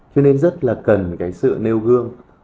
cho nên rất là cần cái sự nêu gương